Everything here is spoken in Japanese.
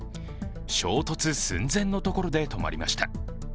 衝突寸前のところで止まりました。